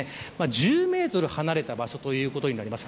１０メートル離れた場所ということになります。